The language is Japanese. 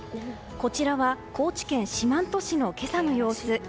こちらは高知県四万十市の今朝の様子。